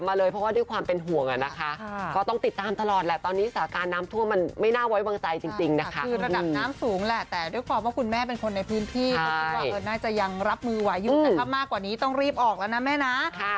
แต่ด้วยความว่าคุณแม่เป็นคนในพื้นที่เขาคิดว่าน่าจะยังรับมือไหวอยู่แต่ถ้ามากกว่านี้ต้องรีบออกแล้วนะแม่นะ